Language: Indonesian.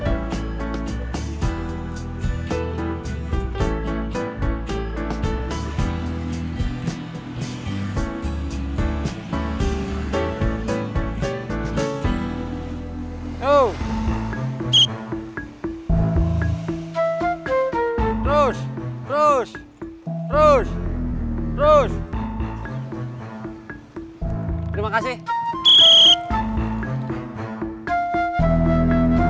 hei yang racing astrallinya